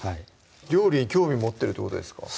料理に興味持ってるってことですか